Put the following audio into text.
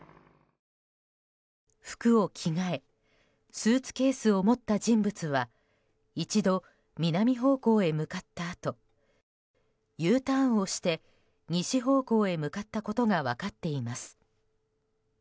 服を着替えスーツケースを持った人物は一度、南方向へ向かったあとＵターンをして西方向へ向かったことが分かっています。